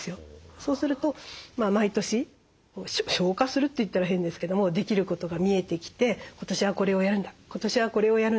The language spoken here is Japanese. そうすると毎年消化するといったら変ですけどもできることが見えてきて今年はこれをやるんだ今年はこれをやるんだって。